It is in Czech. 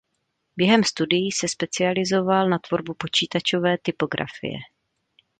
Během studií se specializoval na tvorbu počítačové typografie.